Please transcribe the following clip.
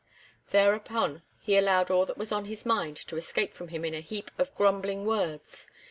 Thereupon, he allowed all that was on his mind to escape from him in a heap of grumbling words.